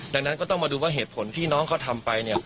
ดังนั้นก็ต้องมาดูว่าเหตุผลที่น้องเขาทำไปเนี่ย